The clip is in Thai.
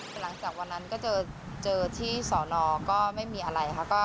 หลังจากวันนั้นก็เจอที่สอนอก็ไม่มีอะไรค่ะ